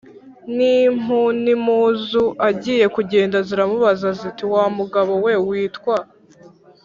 n' impu n'impuzu. agiye kugenda ziramubaza ziti: "wa mugabo we witwa